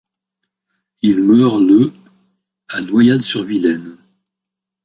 Il meurt le à Noyal-sur-Vilaine.